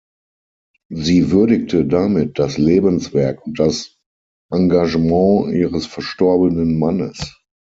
Sie würdigte damit das Lebenswerk und das Engagement ihres verstorbenen Mannes.